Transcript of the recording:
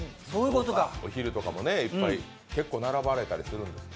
お昼とかもいっぱい、結構並ばれたりもするんですか。